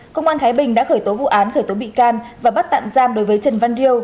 công an thái bình đã khởi tố vụ án khởi tố bị can và bắt tạm giam đối với trần văn riêu